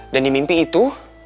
dan di mimpi itu